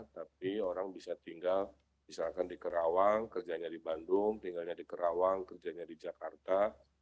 tapi orang bisa tinggal misalkan di kerawang kerjanya di bandung tinggalnya di kerawang kerjanya di jakarta